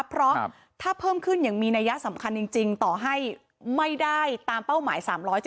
เพราะถ้าเพิ่มขึ้นอย่างมีนัยสำคัญจริงต่อให้ไม่ได้ตามเป้าหมาย๓๗